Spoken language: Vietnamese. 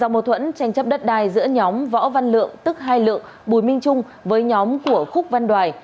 do mô thuẫn tranh chấp đất đai giữa nhóm võ văn lượng tức hai lượng bùi minh trung với nhóm của khúc văn đoài